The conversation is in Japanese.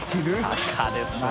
赤ですね。